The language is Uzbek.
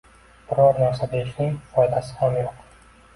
Biror narsa deyishning foydasi ham yo`q